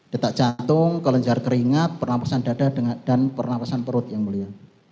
detak jantung kelenjar keringat pernafasan dada dan pernafasan perut yang mulia